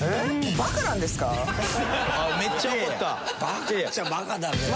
バカっちゃバカだけどさ。